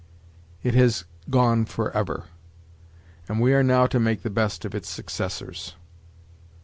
It has gone forever; and we are now to make the best of its successors.